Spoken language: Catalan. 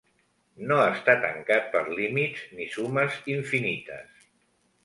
No està tancat per límits ni sumes infinites.